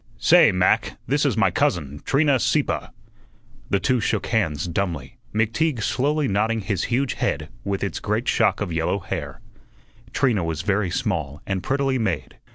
"Say, Mac, this is my cousin, Trina Sieppe." The two shook hands dumbly, McTeague slowly nodding his huge head with its great shock of yellow hair. Trina was very small and prettily made.